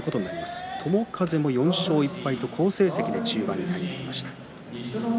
友風４勝１敗と好成績で中盤に入ってきました。